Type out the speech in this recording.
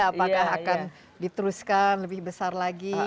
apakah akan diteruskan lebih besar lagi